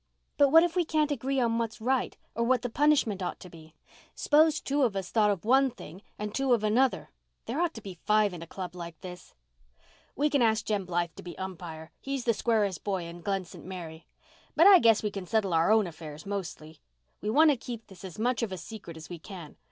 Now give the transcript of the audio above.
"But what if we can't agree on what's right, or what the punishment ought to be? S'pose two of us thought of one thing and two another. There ought to be five in a club like this." "We can ask Jem Blythe to be umpire. He is the squarest boy in Glen St. Mary. But I guess we can settle our own affairs mostly. We want to keep this as much of a secret as we can.